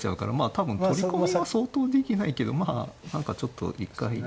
多分取り込みは相当できないけど何かちょっと一回。